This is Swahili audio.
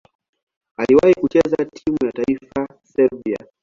Aliwahi kucheza timu ya taifa ya Serbia.